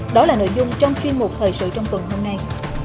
đó là nội dung trong chuyên mục thời sự trong tuần hôm nay